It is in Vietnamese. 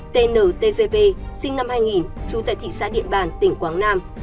tntgp sinh năm hai nghìn trú tại thị xã điện bàn tỉnh quảng nam